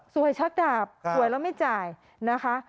ชักดาบสวยแล้วไม่จ่ายนะคะ